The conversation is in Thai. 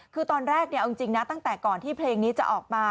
คือตอนแรกเอาจริงนะตั้งแต่ก่อนที่เพลงนี้จะออกมา